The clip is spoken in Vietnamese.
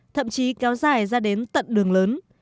thậm chí kéo dài ra đến tận đường lớn